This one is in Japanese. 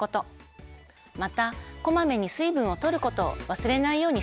またこまめに水分をとることを忘れないようにしてくださいね。